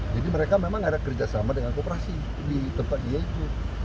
jadi mereka memang ada kerjasama dengan kooperasi di tempat dia itu